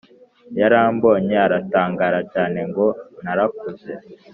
Yarambonye aratangara cyane ngo narakuze